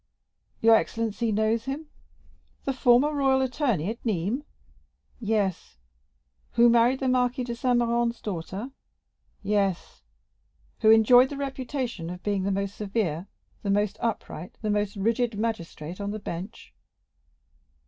"Your excellency knows him?" "The former royal attorney at Nîmes?" "Yes." "Who married the Marquis of Saint Méran's daughter?" "Yes." "Who enjoyed the reputation of being the most severe, the most upright, the most rigid magistrate on the bench?"